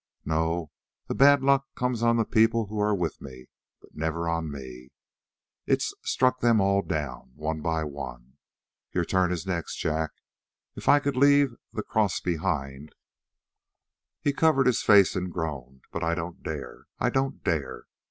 "No, the bad luck comes on the people who are with me, but never on me. It's struck them all down, one by one; your turn is next, Jack. If I could leave the cross behind " He covered his face and groaned: "But I don't dare; I don't dare!